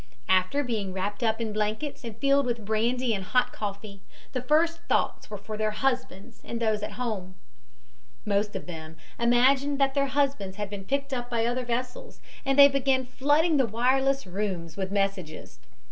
After being wrapped up in blankets and filled with brandy and hot coffee, the first thoughts were for their husbands and those at home. Most of them imagined that their husbands had been picked up by other vessels, and they began flooding the wireless rooms with messages.